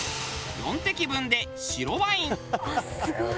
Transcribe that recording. ４滴分で白ワイン。